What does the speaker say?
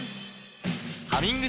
「ハミング」